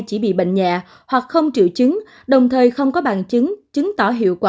chỉ bị bệnh nhẹ hoặc không triệu chứng đồng thời không có bằng chứng chứng tỏ hiệu quả